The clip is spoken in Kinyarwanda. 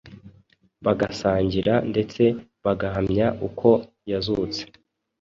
bagasangira ndetse bagahamya uko yazutse,